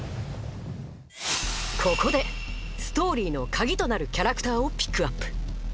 ここでストーリーの鍵となるキャラクターをピックアップ！